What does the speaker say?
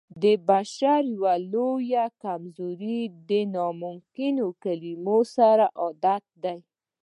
د بشر يوه لويه کمزوري د ناممکن کلمې سره عادت دی.